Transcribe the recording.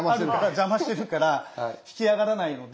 邪魔してるから引き上がらないので。